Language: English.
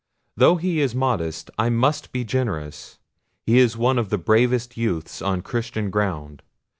Though he is modest, I must be generous; he is one of the bravest youths on Christian ground.